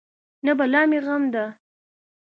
نه بلا مې غم ده.